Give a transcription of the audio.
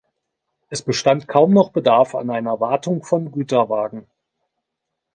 Es bestand kaum noch Bedarf an einer Wartung von Güterwagen.